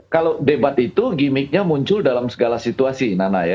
kalau debat itu gimmicknya muncul dalam segala situasi nana ya